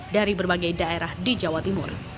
dari berbagai daerah di jawa timur